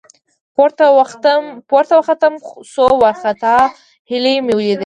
، پورته وختم، څو وارخطا هيلۍ مې ولېدې.